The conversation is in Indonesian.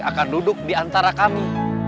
akan duduk diantara kami